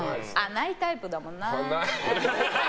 ないタイプだもんな。